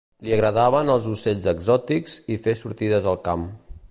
Li agradaven els ocells exòtics i fer sortides al camp.